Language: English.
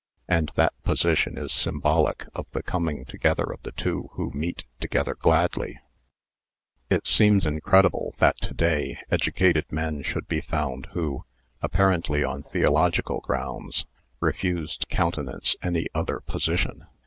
And that position is symbolic of the coming together of the two who meet together gladly. It seems incredible that to day educated men should be found who — apparently on theological grounds — refuse to countenance any other position.